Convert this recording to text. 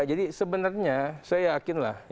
jadi sebenarnya saya yakin lah